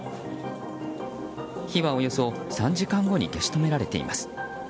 火はおよそ３時間後に消し止められています。